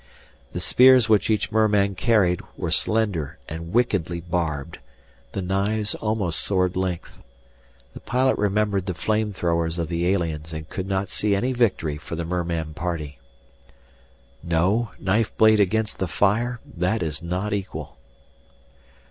The spears which each merman carried were slender and wickedly barbed, the knives almost sword length. The pilot remembered the flame throwers of the aliens and could not see any victory for the merman party. "No, knife blade against the fire that is not equal."